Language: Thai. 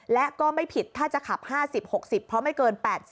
และก็ไม่ผิดถ้าจะขับ๕๐๖๐เพราะไม่เกิน๘๐